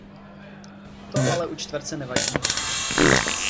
To ale u čtverce nevadí.